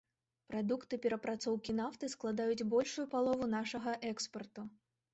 Прадукты перапрацоўкі нафты складаюць большую палову нашага экспарту.